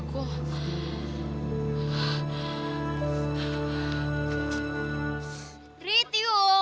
aku pergi dulu